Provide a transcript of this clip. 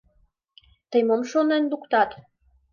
Тый мом шонен луктат?